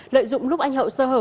lợi dụng lúc anh hậu sơ hở